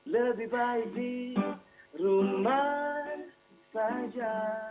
lebih baik di rumah saja